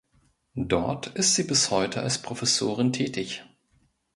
Dort ist sie bis heute als Professorin tätig.